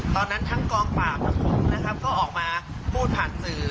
ตอนนั้นทั้งกองปราบทั้งคนก็ออกมาพูดผ่านสื่อ